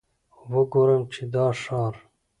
وګورم چې دا ښار.